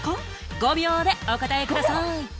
５秒でお答えください。